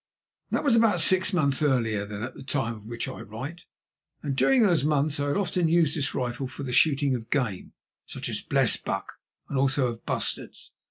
That was about six months earlier than the time of which I write, and during those months I had often used this rifle for the shooting of game, such as blesbuck and also of bustards.